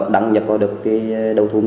đăng nhập vào cái đầu thu